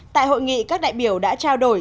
tại hội nghị các đại biểu đã trao đổi